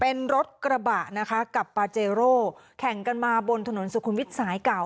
เป็นรถกระบะนะคะกับปาเจโร่แข่งกันมาบนถนนสุขุมวิทย์สายเก่า